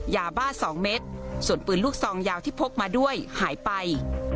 ยาบ้า๒เม็ดส่วนปืนลูกซองยาวที่พกมาด้วยหายไป